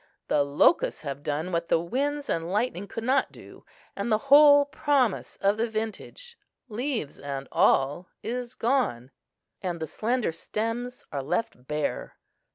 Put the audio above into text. The locusts have done what the winds and lightning could not do, and the whole promise of the vintage, leaves and all, is gone, and the slender stems are left bare.